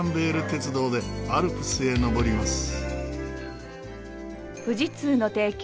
鉄道でアルプスへ登ります。